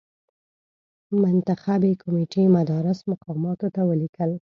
منتخبي کمېټې مدراس مقاماتو ته ولیکل.